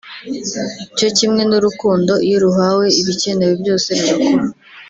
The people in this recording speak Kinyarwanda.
cyo kimwe n’urukundo iyo ruhawe ibikenewe byose rurakura